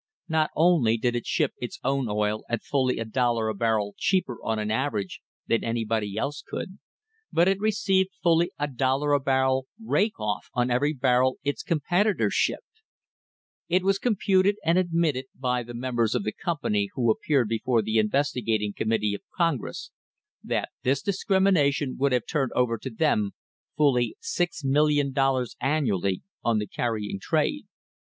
Not only did it ship its own oil at fully a dollar a barrel cheaper on an average than anybody else could, but it received fully a dollar a barrel "rake off" on every barrel its competitors shipped. It was computed and admitted by the members of the company who appeared before the inves tigating committee of Congress that this discrimination would have turned over to them fully $6,000,000 annually on the carrying trade.